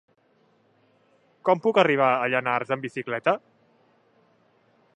Com puc arribar a Llanars amb bicicleta?